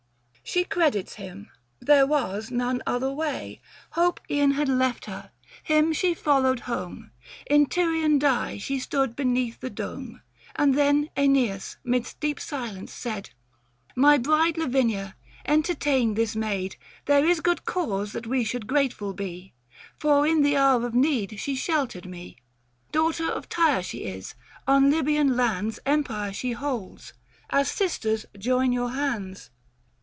She credits him ; there was none other way ; Hope e'en had left her, him she followed home. In Tyrian dye she stood beneath the dome — 675 And then iEneas, midst deep silence, said ;" My bride Lavinia, entertain this maid : Book III. THE FASTI. 91 There is good cause that we should grateful be, For in the hour of need she sheltered me. Daughter of Tyre she is : on Libyan lands 680 Empire she holds : as sisters join your hands."